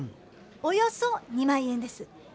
およそ２万円です。